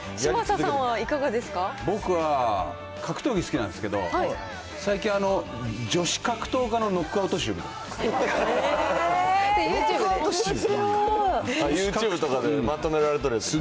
僕は、格闘技好きなんですけど、最近、女子格闘家のノックアウト集見てます。